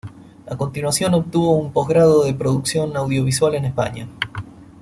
A continuación obtuvo un postgrado en producción audiovisual en España.